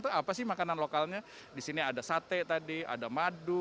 itu apa sih makanan lokalnya di sini ada sate tadi ada madu